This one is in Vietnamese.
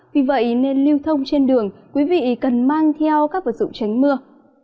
vì vậy nên lưu thông trên đường quý vị cần mang theo các vật dụng tránh mưa